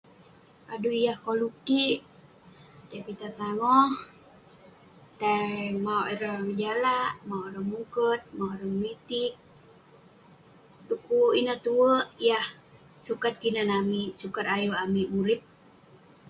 Adui yah koluek kik tai pitah tangoh tai mauk ireh ngejalak mauk ireh muket mauk ireh metik dukuk ineh tuak yah sukat kinan amik sukat ayuk amik murip